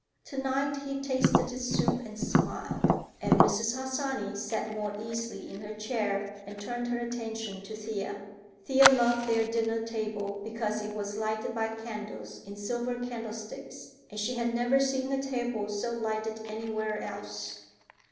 To night he tasted his soup and smiled, and Mrs. Harsanyi sat more easily in her chair and turned her attention to Thea. Thea loved their dinner table, because it was lighted by candles in silver candle sticks, and she had never seen a table so lighted anywhere else.